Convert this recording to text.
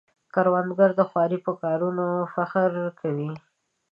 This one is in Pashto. کروندګر د خوارۍ په کارونو فخر کوي